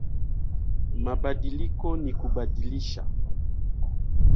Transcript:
Mabadiliko ni kubadilisha